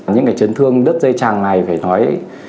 những chấn thương đất dây chẳng này phải nói